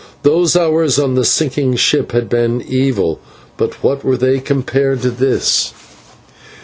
Those hours on the sinking ship had been evil, but what were they compared to this?